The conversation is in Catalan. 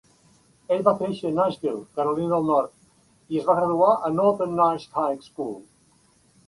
Ell va créixer a Nashville, Carolina del Nord, i es va graduar a Northern Nash High School.